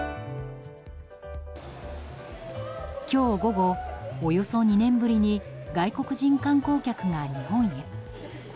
今日午後、およそ２年ぶりに外国人観光客が日本へ。